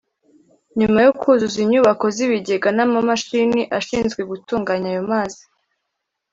nyuma yo kuzuza inyubako z’ibigega n’amamashini ashinzwe gutunganya ayo mazi